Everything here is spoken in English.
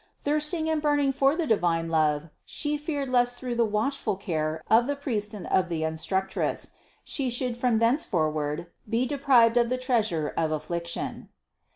Thirsting and burning for the divine love She feared lest through the watchful care of the priest and of the instructress, She should from thenceforward be deprived of the treasure of affliction.